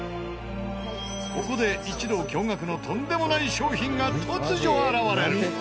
ここで一同驚愕のとんでもない商品が突如現れる！